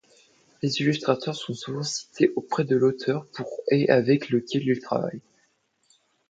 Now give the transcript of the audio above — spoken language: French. Les illustrateurs sont souvent cités auprès de l'auteur pour et avec lequel ils travaillent.